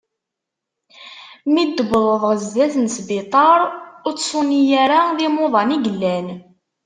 Mi d tewḍeḍ ɣer sdat n sbiṭar ur ttṣuni ara, d imuḍan i yellan.